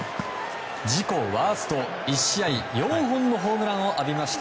自己ワースト、１試合４本のホームランを浴びました。